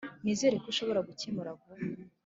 Nizere ko ushobora gukemura vuba